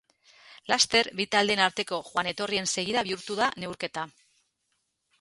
Laster, bi taldeen arteko joan-etorrien segida bihurtu da neurketa.